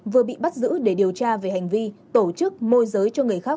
vừa bị bắt giữ để điều tra về hành vi tổ chức môi giới cho người khác